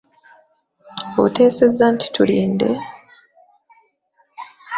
Oteesezza nti tulidde.